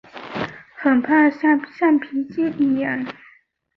很怕像橡皮筋一样